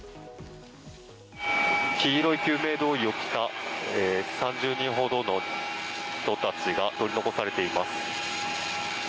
黄色の救命胴衣を着た３０人ほどの人たちが取り残されています。